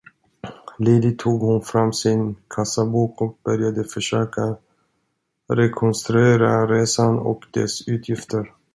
Lydigt tog hon fram sin kassabok och började försöka rekonstruera resan och dess utgifter.